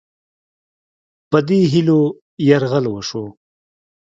په دې هیلو یرغل وشو.